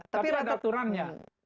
tapi ada aturannya